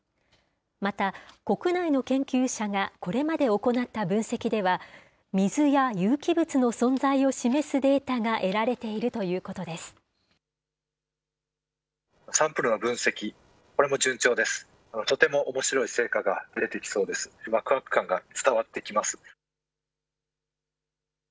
また、国内の研究者がこれまで行った分析では、水や有機物の存在を示すデータが得られているということです。